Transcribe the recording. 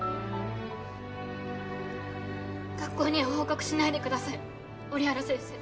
学校には報告しないでください折原先生。